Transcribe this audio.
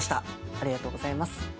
ありがとうございます。